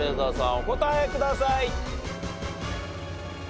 お答えください。